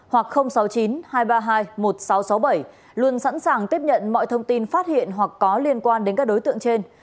hoặc sáu mươi chín hai trăm ba mươi hai một nghìn sáu trăm sáu mươi bảy luôn sẵn sàng tiếp nhận mọi thông tin phát hiện hoặc có liên quan đến các đối tượng trên